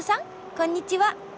こんにちは。